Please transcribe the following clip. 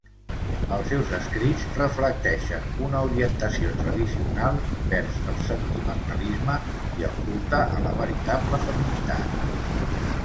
Els seus escrits reflecteixen una orientació tradicional vers el sentimentalisme i el culte a la veritable feminitat.